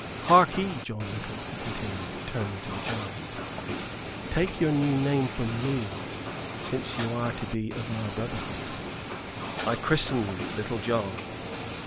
Harkee, John Little," he continued, turning to the giant, "take your new name from me, since you are to be of our brotherhood. I christen you Little John!"